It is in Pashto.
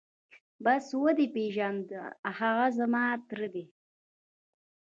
بس ودې پېژاند هغه زما تره دى.